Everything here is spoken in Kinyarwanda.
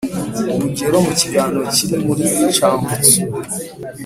urugero, mu kiganiro kiri muri chuang tzu,